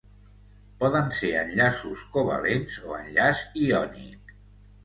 Poden ser enllaços covalents o enllaç iònic.